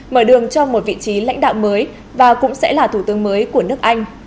mở đường cho một vị trí lãnh đạo mới và cũng sẽ là thủ tướng mới của nước anh